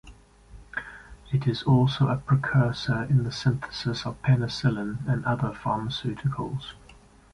It is also a precursor in the synthesis of penicillin and other pharmaceuticals.